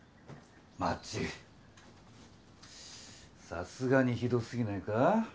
さすがにひどすぎないか？